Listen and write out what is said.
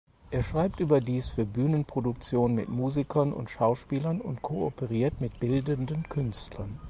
Er schreibt überdies für Bühnenproduktionen mit Musikern und Schauspielern und kooperiert mit bildenden Künstlern.